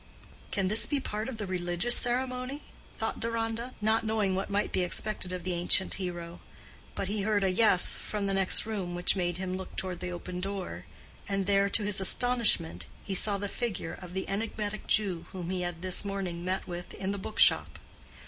Can this be part of the religious ceremony? thought Deronda, not knowing what might be expected of the ancient hero. But he heard a "Yes" from the next room, which made him look toward the open door; and there, to his astonishment, he saw the figure of the enigmatic Jew whom he had this morning met with in the book shop.